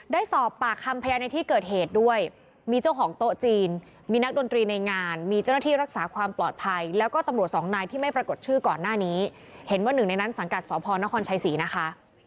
ได้สอบปากคำพยานในที่เกิดเหตุด้วยมีเจ้าของโต๊ะจีนมีนักดนตรีในงานมีเจ้าหน้าที่รักษาความปลอดภัยแล้วก็ตำรวจสองนายที่ไม่ปรากฏชื่อก่อนหน้านี้เห็นว่าหนึ่งในนั้นสังกัดสพนครชัยศรีนะคะ